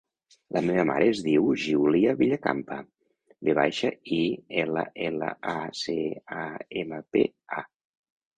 La meva mare es diu Giulia Villacampa: ve baixa, i, ela, ela, a, ce, a, ema, pe, a.